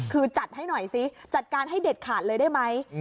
คือจัดให้หน่อยซิจัดการให้เด็ดขาดเลยได้ไหม